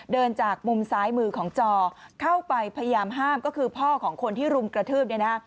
เดินจากมุมซ้ายมือของจอเข้าไปพยายามห้ามก็คือพ่อของคนที่รุมกระทืบเนี่ยนะ